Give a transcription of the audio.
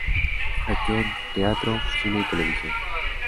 Actuó en teatro, cine y televisión.